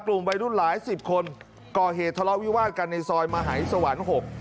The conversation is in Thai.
กลุ่มวัยรุ่นหลายสิบคนก่อเหตุทะเลาะวิวาดกันในซอยมหายสวรรค์๖